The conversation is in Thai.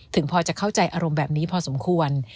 พอจะเข้าใจอารมณ์แบบนี้พอสมควร